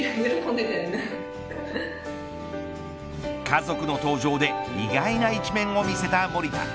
家族の登場で意外な一面を見せた守田。